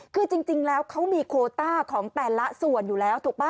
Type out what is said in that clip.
คือจริงแล้วเขามีโคต้าของแต่ละส่วนอยู่แล้วถูกป่ะ